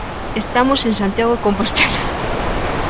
Estamos en Santiago de Compostela.